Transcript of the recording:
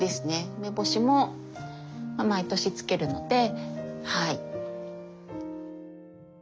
梅干しも毎年漬けるのではい。